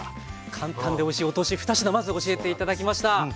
簡単でおいしいお通し２品まず教えて頂きました。